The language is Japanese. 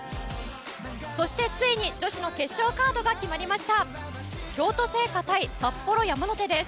そして、ついに女子の決勝カードが決まりました。